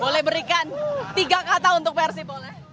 boleh berikan tiga kata untuk persi boleh